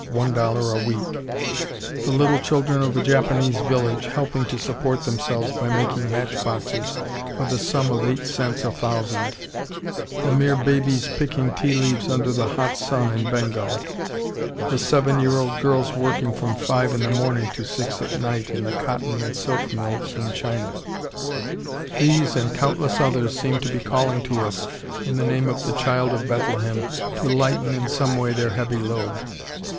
00 a week; the little children of a Japanese village helping to support themselves by making match boxes for the sum of eight cents a thousand; the mere babies picking tea leaves under the hot sun in Bengal; the seven year old girls working from five in the morning to six at night in the cotton and silk mills in China; these and countless others seem to be calling to us in the name of the Child of Bethlehem to lighten in some way their heavy load.